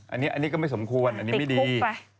อันนี้ก็ไม่สมควรอันนี้ไม่ดี